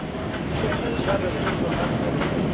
غوسه د ستونزو حل نه دی.